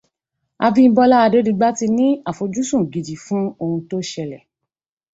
Abímbọ́lá Adédigba ti ní àfojúsùn gidi fún oun tó ṣẹlẹ̀